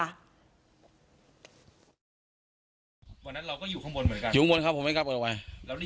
วันนั้นเราก็อยู่ข้างบนเหมือนกันอยู่ข้างบนครับผมไม่กลับออกไป